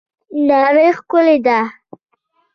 نړۍ ښکلې ده